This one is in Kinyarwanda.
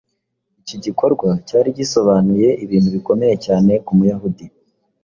Iki gikorwa cyari gisobanuye ibintu bikomeye cyane ku Muyahudi.